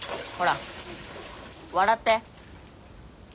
ほら笑って。